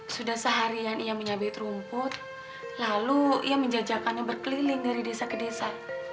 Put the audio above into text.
sudah seharian ia menyabit rumput lalu ia menjajakannya berkeliling dari desa ke desa